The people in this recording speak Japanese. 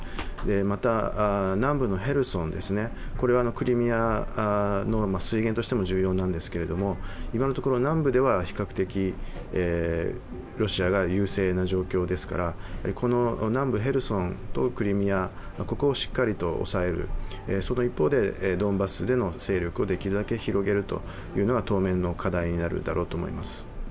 また、南部のヘルソンはクリミアの水源としても重要なんですけれども、今のところ南部では比較的ロシアが優勢な状況ですから南部ヘルソンとクリミア、ここをしっかりと抑える、その一方で、ドンバスでの勢力をできるだけ広げるというのが当面の課題になると思います。